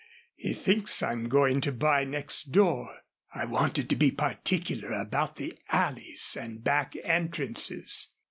He thinks I'm going to buy next door. I wanted to be particular about the alleys and back entrances."